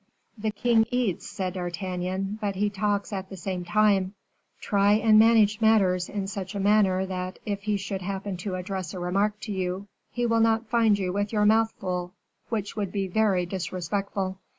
"The king eats," said D'Artagnan, "but he talks at the same time; try and manage matters in such a manner that, if he should happen to address a remark to you, he will not find you with your mouth full which would be very disrespectful."